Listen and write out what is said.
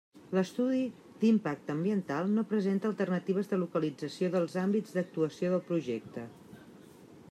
L'estudi d'impacte ambiental no presenta alternatives de localització dels àmbits d'actuació del projecte.